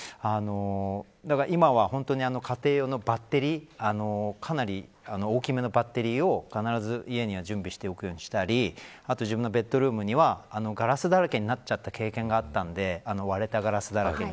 だから今は本当に家庭用のバッテリーかなり大きめのバッテリーを必ず家には準備しておくようにしたりあと自分のベッドルームにはガラスだらけになっちゃった経験があったんで割れたガラスだらけに。